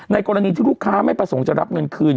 กรณีที่ลูกค้าไม่ประสงค์จะรับเงินคืน